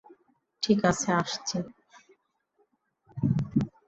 ঠিক আছে, আসছি।